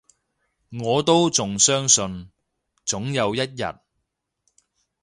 我都仲相信，總有一日